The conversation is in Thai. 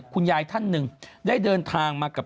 คุณยายท่านหนึ่งได้เดินทางมากับ